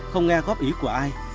không nghe góp ý của ai